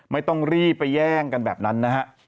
ไม่ต้องรีบไปแย่งกันแบบนั้นนะฮะ